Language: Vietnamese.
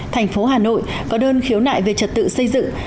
thành phố hà nội có đơn khiếu nại về trật tự xây dựng